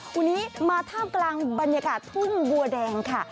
วันนี้มาท่ามกลางบรรยากาศทุ่งบัวแดงค่ะ